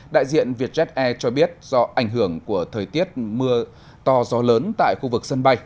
đại diện vietjet air cho biết do ảnh hưởng của thời tiết mưa to gió lớn tại khu vực sân bay